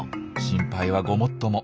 心配はごもっとも。